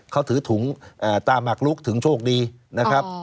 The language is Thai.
เขาถือถุงตามักลุกถึงโชคดีนะครับ